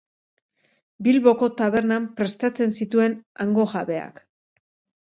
Bilboko tabernan prestatzen zituen hango jabeak.